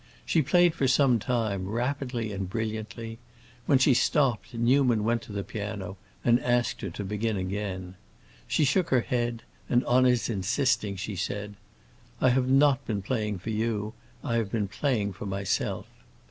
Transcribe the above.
She played for some time, rapidly and brilliantly; when she stopped, Newman went to the piano and asked her to begin again. She shook her head, and, on his insisting, she said, "I have not been playing for you; I have been playing for myself."